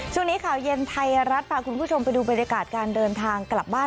ช่วงนี้ข่าวเย็นไทยรัฐพาคุณผู้ชมไปดูบรรยากาศการเดินทางกลับบ้าน